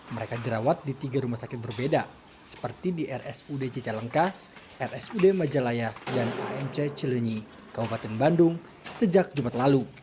mereka dirawat di tiga rumah sakit berbeda seperti di rsud cicalengka rsud majalaya dan amc cilenyi kabupaten bandung sejak jumat lalu